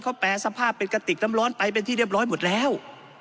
เขาแปรสภาพเป็นกระติกน้ำร้อนไปเป็นที่เรียบร้อยหมดแล้ว